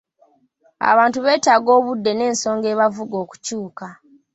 Abantu beetaaga obudde n'ensonga ebavuga okukyuka.